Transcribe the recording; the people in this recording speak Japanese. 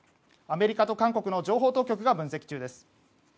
アメリカと韓国の情報当局が分析中です。